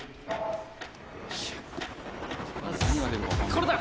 これだ！